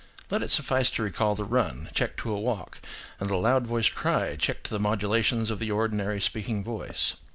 Let it suffice to recall the run, checked to a walk, and the loud voiced cry, checked to the modulations of the ordinary speaking voice.